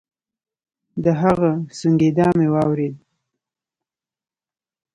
د هغه سونګېدا مې واورېد.